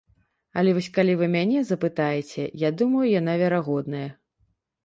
Але вось калі вы мяне запытаеце, я думаю, яна верагодная.